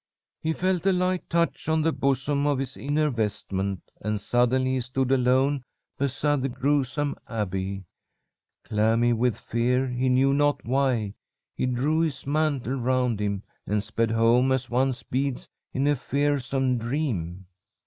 "He felt a light touch on the bosom of his inner vestment, and suddenly he stood alone beside the gruesome abbey. Clammy with fear, he knew not why, he drew his mantle round him and sped home as one speeds in a fearsome dream.